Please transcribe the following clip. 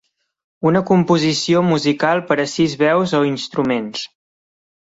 Una composició musical per a sis veus o instruments.